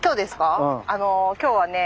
今日はね